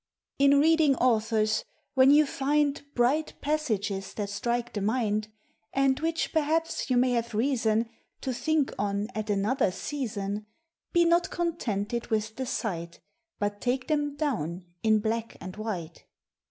_ "In reading authors, when you find Bright passages that strike the mind, And which perhaps you may have reason To think on at another season, Be not contented with the sight, But take them down in black and white.